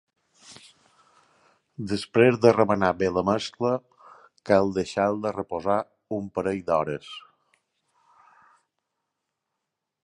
Després de remenar bé la mescla, cal deixar-la reposar un parell d'hores.